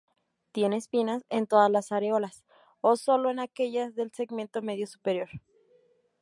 Tiene espinas en todas las areolas, o sólo en aquellas del segmento medio superior.